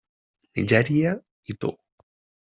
Nigèria i Togo.